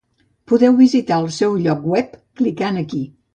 Podeu visitar el seu lloc web clicant allí.